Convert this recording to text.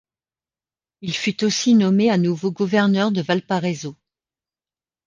Il fut aussi nommé à nouveau gouverneur de Valparaíso.